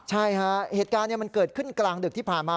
ใช่ฮะเหตุการณ์มันเกิดขึ้นกลางดึกที่ผ่านมา